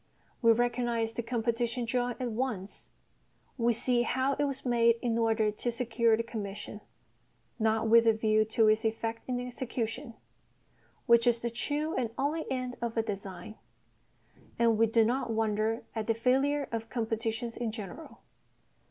We recognise the "competition" drawing at once; we see how it was made in order to secure the commission, not with a view to its effect in execution (which is the true and only end of a design), and we do not wonder at the failure of competitions in general.